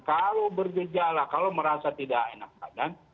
kalau bergejala kalau merasa tidak enak badan